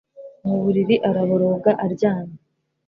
Mu buriri araboroga aryamye